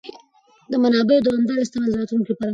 د منابعو دوامداره استعمال د راتلونکي لپاره مهم دی.